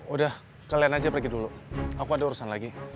udah kalian aja pergi dulu aku ada urusan lagi